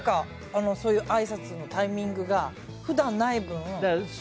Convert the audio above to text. そういうあいさつのタイミングが普段ない分。